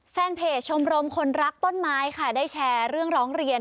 แฟนเพจชมรมคนรักต้นไม้ค่ะได้แชร์เรื่องร้องเรียน